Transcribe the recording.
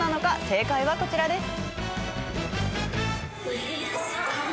正解はこちらです。